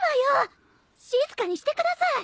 静かにしてください。